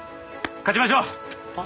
勝ちましょう！